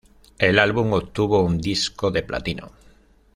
El álbum obtuvo un disco de platino.